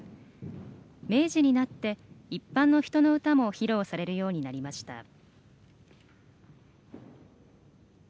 明治になって一般の人の歌も披露されるようになりました。